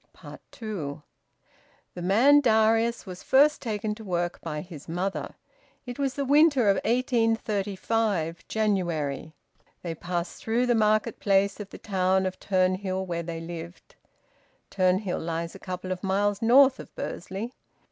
TWO. The man Darius was first taken to work by his mother. It was the winter of 1835, January. They passed through the marketplace of the town of Turnhill where they lived. Turnhill lies a couple of miles north of Bursley.